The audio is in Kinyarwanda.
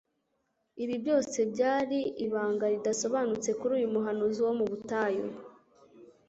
Ibi byose byari ibanga ridasobanutse kuri uyu muhanuzi wo mu butayu.